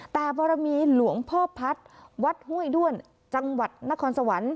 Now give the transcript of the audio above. แต่บรมีหลวงพ่อพัฒน์วัดห้วยด้วนจังหวัดนครสวรรค์